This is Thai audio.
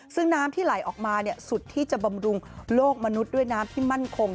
ซึ่งน้ำที่ไหลออกมาสุดที่จะบำรุงโลกมนุษย์ด้วยน้ำที่มั่นคง